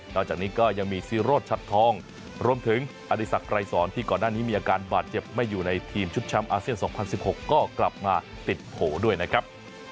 จากนี้ก็ยังมีซีโรธชัดทองรวมถึงอดีศักดรายสอนที่ก่อนหน้านี้มีอาการบาดเจ็บไม่อยู่ในทีมชุดแชมป์อาเซียน๒๐๑๖ก็กลับมาติดโผล่ด้วยนะครับ